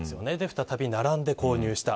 再び並んで購入した。